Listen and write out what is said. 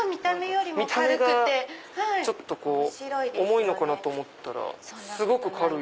見た目がちょっと重いのかなと思ったらすごく軽い。